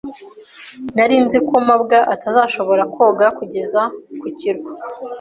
Nari nzi ko mabwa atazashobora koga kugeza ku kirwa.